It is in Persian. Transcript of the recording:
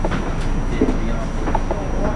بِرلیان